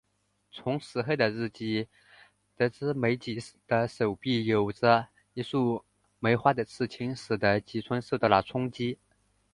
从石黑的日记得知美几的手臂有着一束梅花的刺青使得吉村受到了冲击。